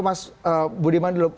mas budiman dulu